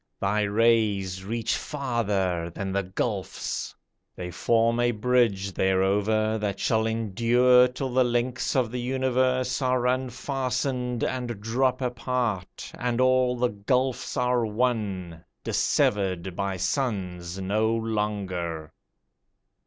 Thy rays reach farther than the gulfs; They form a bridge thereover, That shall endure till the links of the universe Are unfastened, and drop apart, And all the gulfs are one, Dissevered by suns no longer.